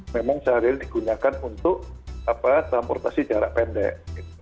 memang seharian digunakan untuk transportasi jarak pendek